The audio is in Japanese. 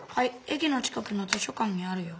えきの近くの図書館にあるよ。